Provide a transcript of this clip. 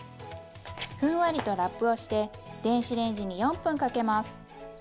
ふんわりとラップをして電子レンジに４分かけます。